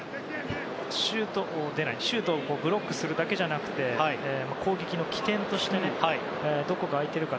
シュートをブロックするだけじゃなく攻撃の起点としてどこが空いているのか。